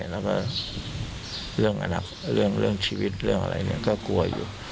แล้วก็เรื่องอนาคตเรื่องชีวิตเรื่องอะไรก็กลัวอยู่